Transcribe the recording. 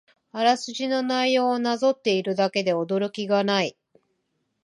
あらすじの内容をなぞっているだけで驚きがない